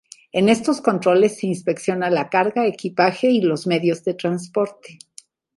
En estos controles se inspecciona la carga, equipaje y los medios de transporte.